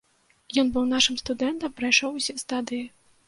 Ён быў нашым студэнтам, прайшоў усе стадыі.